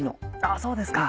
あそうですか。